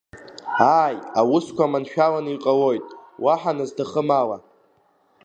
Ааи, аусқәа маншәаланы иҟалоит уаҳа назҭахым ала.